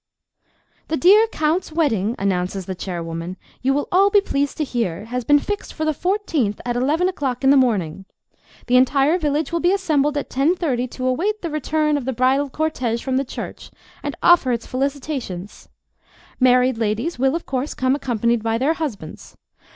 "The dear Count's wedding," announces the chairwoman, "you will all be pleased to hear, has been fixed for the fourteenth, at eleven o'clock in the morning. The entire village will be assembled at ten thirty to await the return of the bridal cortège from the church, and offer its felicitations. Married ladies, will, of course, come accompanied by their husbands.